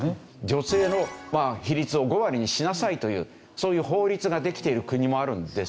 女性の比率を５割にしなさいというそういう法律ができている国もあるんですよね。